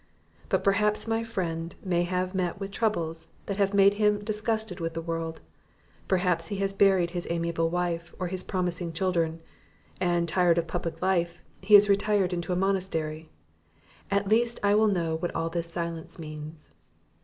But perhaps my friend may have met with troubles that have made him disgusted with the world; perhaps he has buried his amiable wife, or his promising children; and, tired of public life, he is retired into a monastery. At least, I will know what all this silence means."